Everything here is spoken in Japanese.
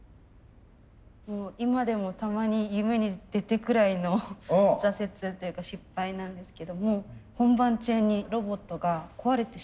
今でもたまに夢に出るくらいの挫折っていうか失敗なんですけども本番中にロボットが壊れてしまって。